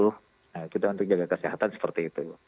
nah kita untuk menjaga kesehatan seperti itu